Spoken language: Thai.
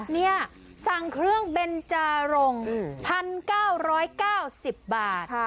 นี่สั่งเครื่องเบนจารง๑๙๙๐บาท